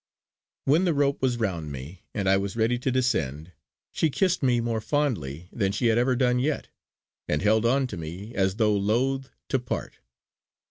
When the rope was round me and I was ready to descend, she kissed me more fondly than she had ever done yet, and held on to me as though loth to part.